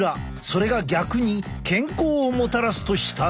それが逆に健康をもたらすとしたら？